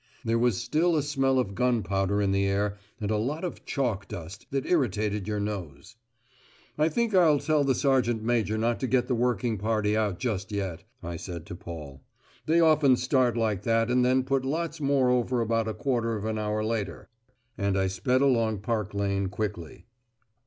There was still a smell of gunpowder in the air, and a lot of chalk dust that irritated your nose. "I think I'll tell the sergeant major not to get the working party out just yet," I said to Paul. "They often start like that and then put lots more over about a quarter of an hour later." And I sped along Park Lane quickly.